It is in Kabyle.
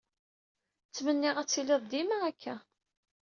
Ttmenniɣ ad tettili dima akka.